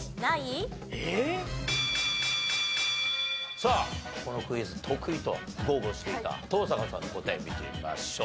さあこのクイズ得意と豪語していた登坂さんの答え見てみましょう。